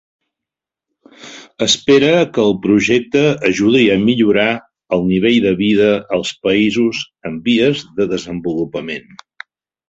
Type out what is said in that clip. Espera que el projecte ajudi a millorar el nivell de vida als països en vies de desenvolupament.